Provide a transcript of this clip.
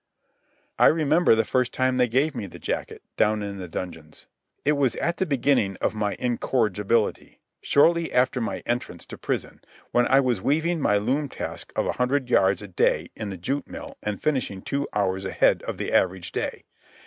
I remember the first time they gave me the jacket down in the dungeons. It was at the beginning of my incorrigibility, shortly after my entrance to prison, when I was weaving my loom task of a hundred yards a day in the jute mill and finishing two hours ahead of the average day.